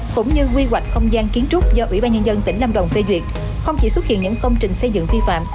cũng như quy hoạch không gian kiến trúc do ủy ban nhân dân tỉnh lâm đồng phê duyệt không chỉ xuất hiện những công trình xây dựng vi phạm